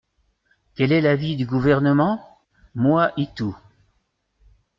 Quel est l’avis du Gouvernement ? Moi itou.